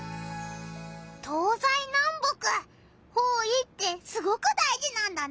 東西南北方位ってすごく大じなんだな！